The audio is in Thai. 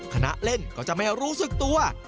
คณะเล่นก็จะไม่รู้สึกตัว